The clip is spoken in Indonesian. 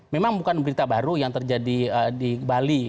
memang bukan berita baru yang terjadi di bali